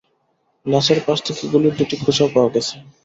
লাশের পাশ থেকে গুলির দুটি খোসাও পাওয়া গেছে।